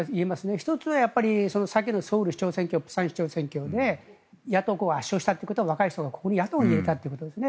１つは先のソウル市長選挙、釜山市長選挙で野党候補が圧勝したということは若い人は野党に入れたということですね。